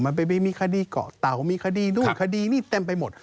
มันไปมีคดีเกาะเต่ามีคดีนู่นคดีนี่เต็มไปหมด